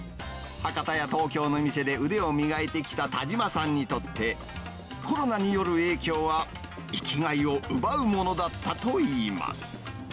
博多や東京の店で腕を磨いてきた田島さんにとって、コロナによる影響は、生きがいを奪うものだったといいます。